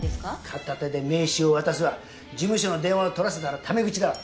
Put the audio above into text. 片手で名刺を渡すわ事務所の電話を取らせたらタメ口だわ。